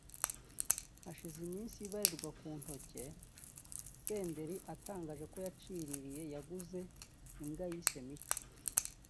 Hashize iminsi ibarirwa ku ntoki Senderi atangaje ko yaciririye [yaguze] imbwa yise ‘Mico’